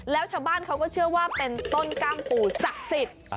แล้วชาวบ้านเขาก็เชื่อว่าเป็นต้นกล้ามปู่ศักดิ์สิทธิ์